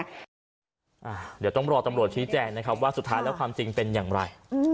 เดี๋ยวต้องรอตำรวจชี้แจงนะครับว่าสุดท้ายแล้วความจริงเป็นอย่างไร